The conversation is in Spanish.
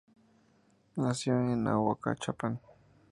Nació en Ahuachapán.